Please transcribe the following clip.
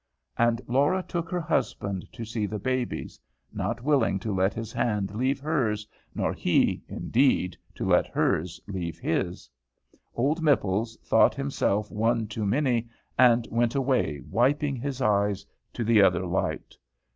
And Laura took her husband to see the babies, not willing to let his hand leave hers, nor he, indeed, to let hers leave his. Old Mipples thought himself one too many, and went away, wiping his eyes, to the other light.